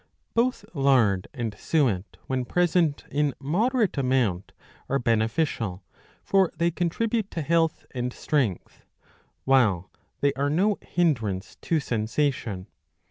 Both lard and suet when present in moderate amount' are beneficial ; for they contribute to health and strength, while they are no hindrance to sensation.